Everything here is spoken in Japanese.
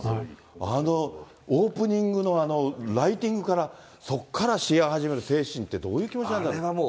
あのオープニングのあのライティングから、そこから試合始める精神って、どういう気持ちなんだろう。